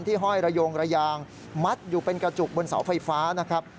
ห้อยระโยงระยางมัดอยู่เป็นกระจุกบนเสาไฟฟ้านะครับ